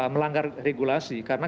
melanggar regulasi karena